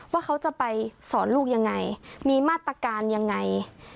ว่าเขาจะไปสอนลูกยังไงมีมาตรการยังไง